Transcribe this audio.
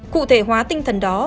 cụ thể hóa tinh thần đó